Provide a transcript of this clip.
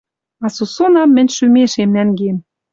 А сусунам мӹнь шӱмешем нӓнгем